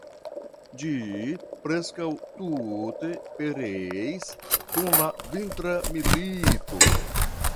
Ĝi preskaŭ tute pereis dum la vintra milito.